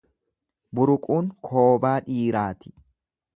Buruquun koobaa dhiiraati.